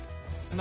何？